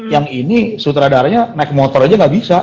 yang ini sutradaranya naik motor aja nggak bisa